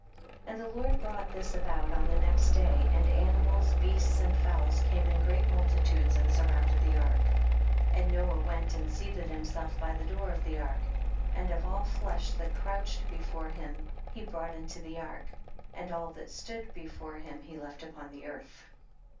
3. And the Lord brought this about on the next day, and animals, beasts and fowls came in great mul titudes and surrounded the ark. 4. And Noah went and seated him self by the door of the ark, and of all flesh that crouched before him, he brought into the ark, and all that stood before him he left upon earth.